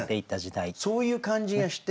そういう感じがして。